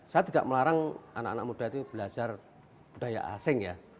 saya tidak melarang anak anak muda itu belajar budaya asing ya